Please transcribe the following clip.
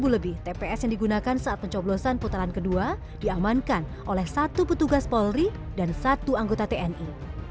dua puluh lebih tps yang digunakan saat pencoblosan putaran kedua diamankan oleh satu petugas polri dan satu anggota tni